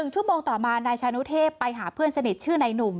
ชั่วโมงต่อมานายชานุเทพไปหาเพื่อนสนิทชื่อนายหนุ่ม